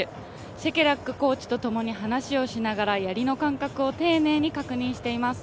シェケラックコーチとともに話をしながらやりの感覚を丁寧に確認しています。